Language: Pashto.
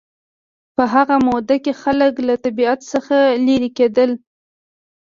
په هغه موده کې خلک له طبیعت څخه لېرې کېدل